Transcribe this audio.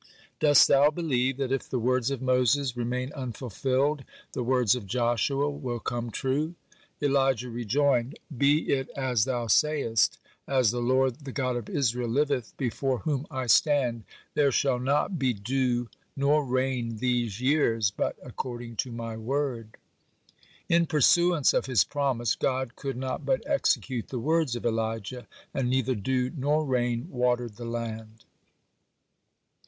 Dost thou believe that if the words of Moses remain unfulfilled, the words of Joshua will come true?" Elijah rejoined: "Be it as thou sayest: 'As the Lord, the God of Israel liveth, before whom I stand, there shall not be dew nor rain these years, but according to my word.'" In pursuance of His promise, God could not but execute the words of Elijah, and neither dew nor rain watered the land.